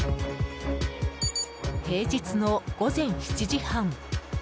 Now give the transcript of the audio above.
平日の午前７時半。